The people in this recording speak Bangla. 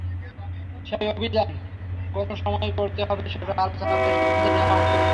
সেই অভিযান কোন সময় হবে, সেটা আলোচনা করে সিদ্ধান্ত নেওয়া হবে।